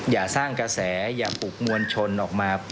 อย่าสร้างกระแสอย่าปลุกมวลชนออกมา